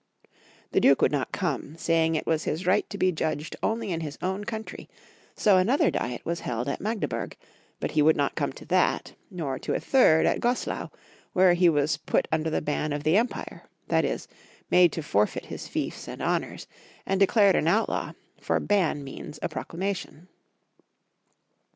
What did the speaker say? The Duke would not come, saying it was his right to be judged only in his own country, so an other diet was held at Magdeburg, but he would not come to that, nor to a third at Goslau, where 140 I I I Friedrich /., Barbarossa, 141 he was put under the ban of the empire — that is, made to forfeit his fiefs and honors, and declared an outlaw, for ban means a proclamation.